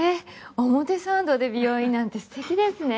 表参道で美容院なんてすてきですね。